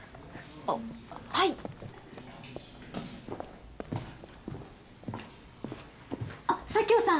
あっはいあっ佐京さん